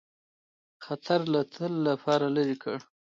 خطر د تل لپاره لیري کړ.